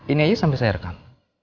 ini aja sampai saya rekam